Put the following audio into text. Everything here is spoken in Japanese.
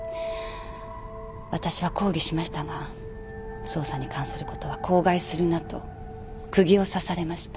私は抗議しましたが捜査に関することは口外するなと釘を刺されました。